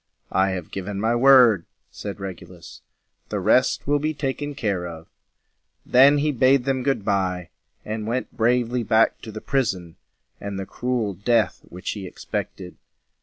"I have given my word," said Regulus. "The rest will be taken care of." Then he bade them good by, and went bravely back to the prison and the cruel death which he ex pect ed.